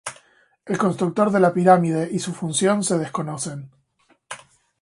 El constructor de la pirámide y su función se desconocen.